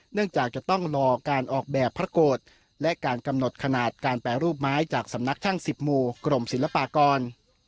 จากจะต้องรอการออกแบบพระโกรธและการกำหนดขนาดการแปรรูปไม้จากสำนักช่างสิบหมู่กรมศิลปากร